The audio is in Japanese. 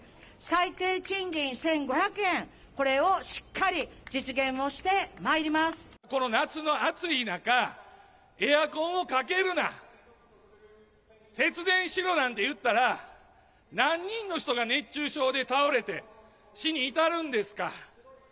最低賃金１５００円、これをしっこの夏の暑い中、エアコンをかけるな、節電しろなんていったら、何人の人が熱中症で倒れて、死に至るんですか。